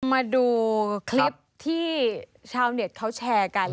มาดูคลิปที่ชาวเน็ตเขาแชร์กัน